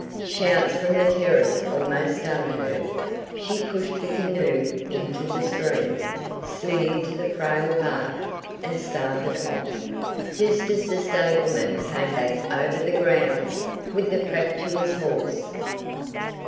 Shouts from the terrace almost stunned her. She pushed the canoe into the stream, slid into the frail bark, and started off, just as the stablemen came back over the grounds with the fractious horse!